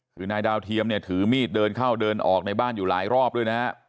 คือนายดาวเทียมเนี่ยถือมีดเดินเข้าเดินออกในบ้านอยู่หลายรอบด้วยนะฮะ